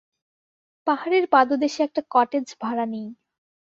পাহাড়ের পাদদেশে একটা কটেজ ভাড়া নিই।